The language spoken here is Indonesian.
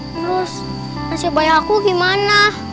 terus nasib bayang aku gimana